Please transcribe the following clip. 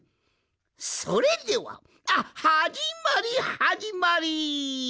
それではあっはじまりはじまり！